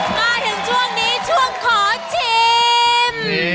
มาถึงช่วงนี้ช่วงขอชิม